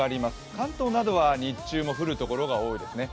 関東などは日中も降るところが多いですね。